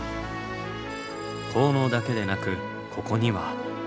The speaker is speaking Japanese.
効能だけでなくここには。